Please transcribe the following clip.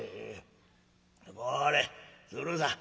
これ鶴さん